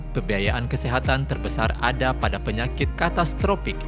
pembiayaan kesehatan terbesar ada pada penyakit katastropik